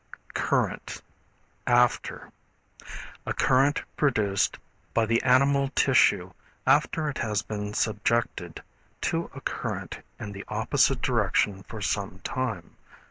] Current, After. A current produced by the animal tissue after it has been subjected to a current in the opposite direction for some time.